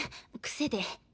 癖で。